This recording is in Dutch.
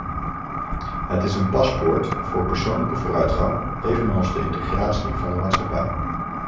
Het is een paspoort voor persoonlijke vooruitgang evenals de integratie van de maatschappij.